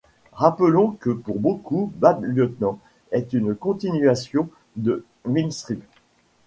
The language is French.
Rappelons que pour beaucoup Bad Lieutenant est une continuation de Mean Streets.